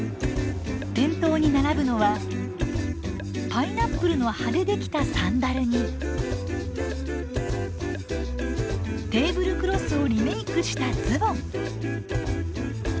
店頭に並ぶのはパイナップルの葉でできたサンダルにテーブルクロスをリメークしたズボン。